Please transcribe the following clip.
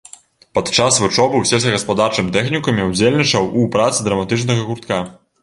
Падчас вучобы ў сельскагаспадарчым тэхнікуме ўдзельнічаў у працы драматычнага гуртка.